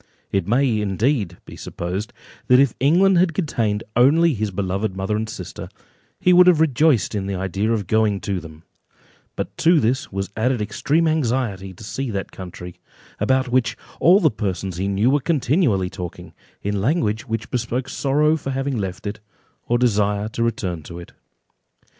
It may, indeed, be supposed, that if England had contained only his beloved mother and sister, he would have rejoiced in the idea of going to them, but to this was added extreme anxiety to see that country, about which all the persons he knew were continually talking, in language which bespoke sorrow for having left it, or desire to return to it.